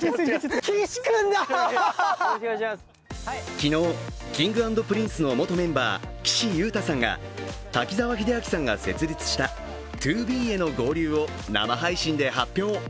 昨日、Ｋｉｎｇ＆Ｐｒｉｎｃｅの元メンバー岸優太さんが滝沢秀明さんが設立したＴＯＢＥへの合流を生配信で発表。